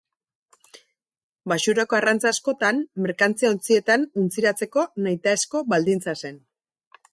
Baxurako arrantza askotan merkantzia-ontzietan untziratzeko nahitaezko baldintza zen.